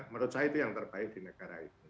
menurut saya itu yang terbaik di negara ini